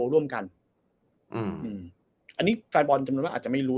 ร่วมกันอืมอืมอันนี้แฟนบอลจำนวนมากอาจจะไม่รู้